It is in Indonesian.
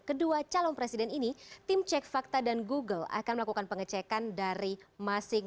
kedua calon presiden ini tim cek fakta dan google akan melakukan pengecekan dari masing masing